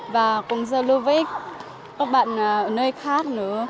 và cũng rất là vui với các bạn ở nơi khác nữa